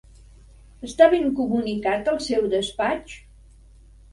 Està ben comunicat el seu despatx?